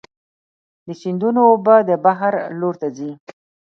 د سیندونو اوبه د بحر لور ته ځي.